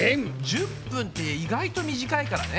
１０分って意外と短いからね。